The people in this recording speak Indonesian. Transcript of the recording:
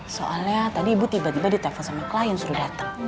soalnya tadi ibu tiba tiba ditelepon sama klien sudah datang